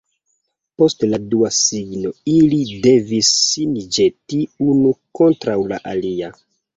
Post la dua signo ili devis sin ĵeti unu kontraŭ la alia.